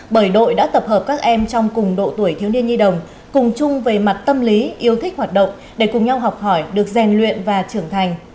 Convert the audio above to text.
bởi đội đã tập hợp các em trong cùng độ tuổi thiếu niên nhi đồng cùng chung về mặt tâm lý yêu thích hoạt động để cùng nhau học hỏi được rèn luyện và trưởng thành